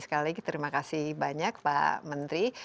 sekali lagi terima kasih banyak pak menteri